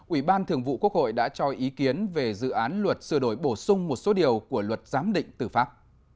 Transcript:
ủy ban thường vụ quốc hội đã cho ý kiến về dự án luật sửa đổi bổ sung một số điều của luật giám định tử pháp